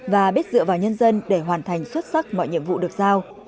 và biết dựa vào nhân dân để hoàn thành xuất sắc mọi nhiệm vụ được giao